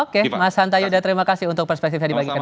oke mas hantayuda terima kasih untuk perspektif yang dibagikan